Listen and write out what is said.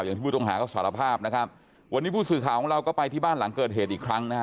ที่ผู้ต้องหาก็สารภาพนะครับวันนี้ผู้สื่อข่าวของเราก็ไปที่บ้านหลังเกิดเหตุอีกครั้งนะฮะ